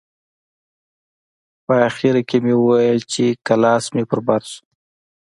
په اخر کښې مې وويل چې که لاس مې پر بر سو.